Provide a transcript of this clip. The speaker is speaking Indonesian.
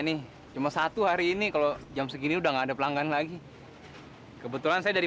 nih cuma satu hari ini kalau jam segini udah nggak ada pelanggan lagi kebetulan saya dari